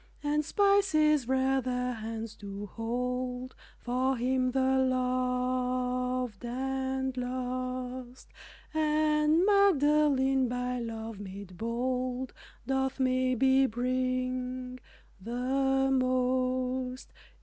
And spices rare their hands do hold For Him, the loved and lost, And Magdalene, by love made bold, Doth maybe bring the most.